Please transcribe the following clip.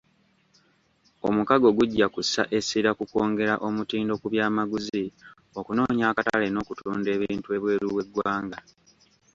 Omukago gujja kussa essira ku kwongera omutindo ku byamaguzi, okunoonya akatale n'okutunda ebintu ebweru w'eggwanga.